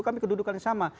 kami kedudukan yang sama